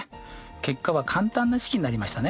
結果は簡単な式になりましたね。